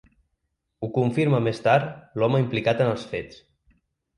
Ho confirma més tard l’home implicat en els fets.